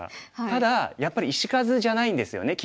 ただやっぱり石数じゃないんですよね